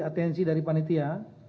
atensi dari panitia